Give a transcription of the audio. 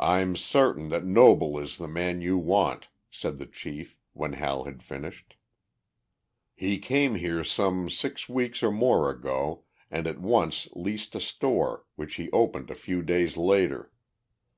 "I'm certain that Noble is the man you want," said the chief, when Hal had finished. "He came here some six weeks or more ago and at once leased a store, which he opened a few days later.